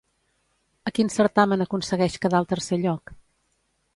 A quin certamen aconsegueix quedar al tercer lloc?